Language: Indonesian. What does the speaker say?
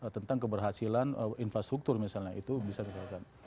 tentang keberhasilan infrastruktur misalnya itu bisa dikatakan